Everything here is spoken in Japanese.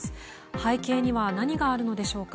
背景には何があるのでしょうか。